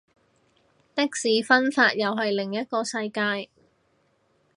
的士分法又係另一個世界